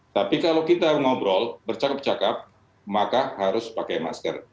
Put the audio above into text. tapi kalau kita ngobrol bercakap cakap maka harus pakai masker